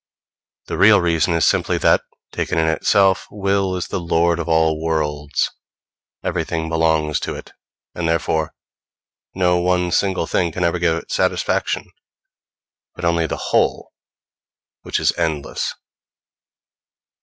The real reason is simply that, taken in itself, Will is the lord of all worlds: everything belongs to it, and therefore no one single thing can ever give it satisfaction, but only the whole, which is endless.